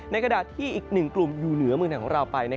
ในขณะที่อีก๑กลุ่มอยู่เหนือเมืองของเราไป